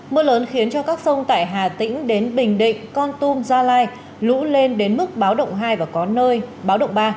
mưa lớn khiến cho các sông tại hà tĩnh đến bình định con tum gia lai lũ lên đến mức báo động hai và có nơi báo động ba